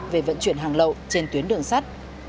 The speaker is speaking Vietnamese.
về vận chuyển hàng lậu trên tuyến đường sát